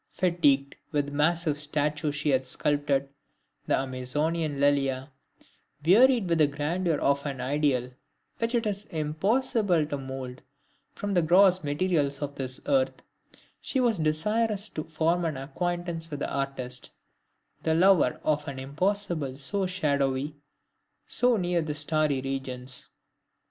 Fatigued with the massive statue she had sculptured, the Amazonian Lelia; wearied with the grandeur of an Ideal which it is impossible to mould from the gross materials of this earth; she was desirous to form an acquaintance with the artist "the lover of an impossible so shadowy" so near the starry regions.